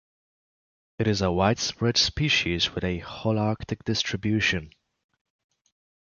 It is a widespread species with a Holarctic distribution.